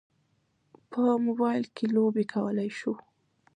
په موبایل کې لوبې کولی شو.